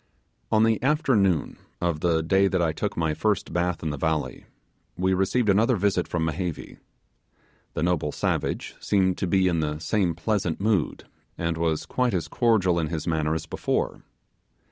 On the afternoon of the day that I took my first bath in the valley, we received another visit from Mehevi. The noble savage seemed to be in the same pleasant mood, and was quite as cordial in his manner as before.